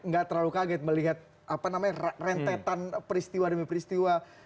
gak terlalu kaget melihat rentetan peristiwa demi peristiwa